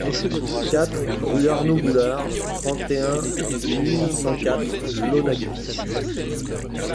quatre rUE ARNAUD GOULARD, trente et un mille cent quarante Launaguet